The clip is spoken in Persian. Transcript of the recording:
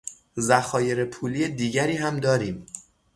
ذخایر پولی دیگری هم داریم.